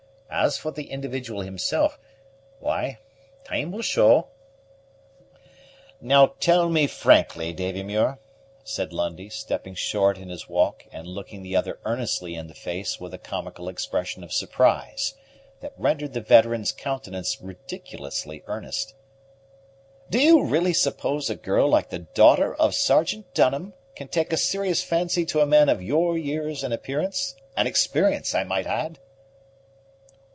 As for the individual himself why, time will show." "Now, tell me frankly, Davy Muir," said Lundie, stepping short in his walk, and looking the other earnestly in the face with a comical expression of surprise, that rendered the veteran's countenance ridiculously earnest, "do you really suppose a girl like the daughter of Sergeant Dunham can take a serious fancy to a man of your years and appearance, and experience, I might add?"